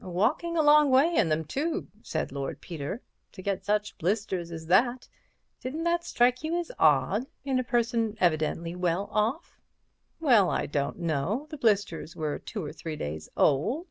"Walking a long way in them, too," said Lord Peter, "to get such blisters as that. Didn't that strike you as odd, in a person evidently well off?" "Well, I don't know. The blisters were two or three days old.